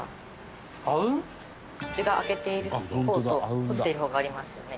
口が開けている方と閉じている方がありますよね。